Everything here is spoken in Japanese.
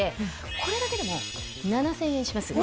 これだけでも７０００円します。